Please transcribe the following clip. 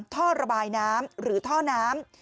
ท่อระบายน้ำหรือท่อน้ำ